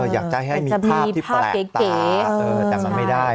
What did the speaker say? อยากจะให้มีภาพที่แปลกตาแต่มันไม่ได้